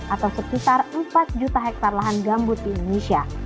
atau sekitar empat juta hektare lahan gambut di indonesia